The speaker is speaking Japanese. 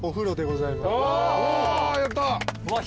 おやった。